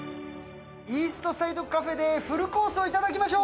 イーストサイド・カフェでフルコースを頂きましょう。